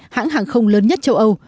hãng hàng không lớn nhất châu âu